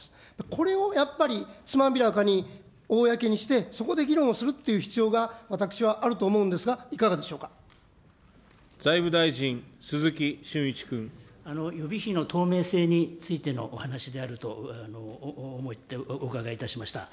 これをやっぱり、つまびらかに、公にして、そこで議論するっていう必要が私はあると思うんですが、財務大臣、鈴木俊一君。予備費の透明性についてのお話であると思って、お伺いいたしました。